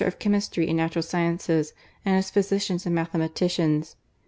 233 Chemistry and Natural Sciences, and as physicians and mathematicians.